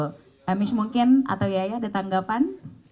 hemis mungkin atau yaya ada tanggapan